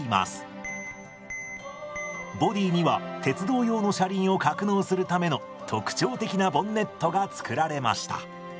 ボディーには鉄道用の車輪を格納するための特徴的なボンネットが作られました。